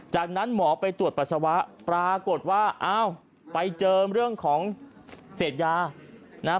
จากนั้นหมอไปตรวจปัสสาวะปรากฏว่าอ้าวไปเจอเรื่องของเสพยานะครับ